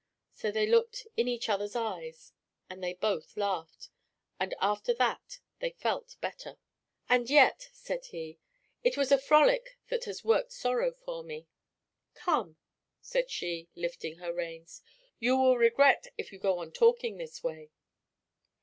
So they looked in each other's eyes, and they both laughed, and after that they felt better. "And yet," said he, "it was a frolic that has worked sorrow for me." "Come," said she, lifting her reins, "you will regret if you go on talking this way."